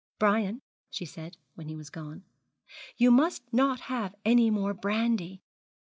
'Brian,' she said, when he was gone, 'you must not have any more brandy.